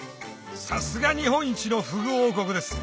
さすが日本一のフグ王国です